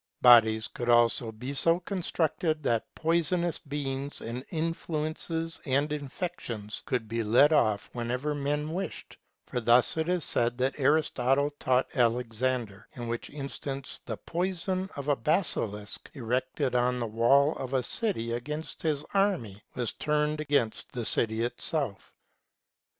Bodies could also be so constructed that poisonous beings and influences and infections could be led off whenever men wished ; for thus it is said that Aristotle taught Alexander ; in which instance the poison of a basilisk, erected on the wall of a city against his army, was turned against the city itself.